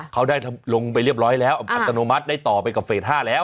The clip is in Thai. เขาได้ลงไปเรียบร้อยแล้วอัตโนมัติได้ต่อไปกับเฟส๕แล้ว